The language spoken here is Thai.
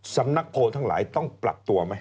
สำนักโพลทั้งหลายต้องปรับตัวไหม